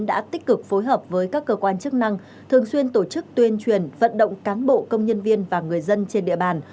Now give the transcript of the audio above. đã tích cực phối hợp với các cơ quan chức năng thường xuyên tổ chức tuyên truyền vận động cán bộ công nhân viên và người dân trên địa bàn